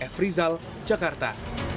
f rizal jakarta